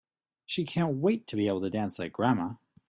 She can't wait to be able to dance like grandma!